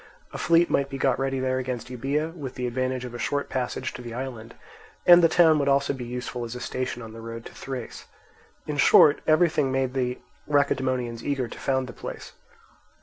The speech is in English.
A fleet might be got ready there against Euboea, with the advantage of a short passage to the island; and the town would also be useful as a station on the road to Thrace. In short, everything made the Lacedaemonians eager to found the place.